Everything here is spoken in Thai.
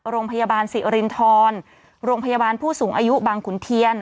โรงพยาบาลสิรินทรโรงพยาบาลผู้สูงอายุบางขุนเทียน